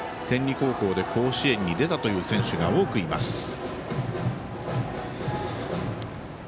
天理高校で甲子園に出たという選手が多くいます。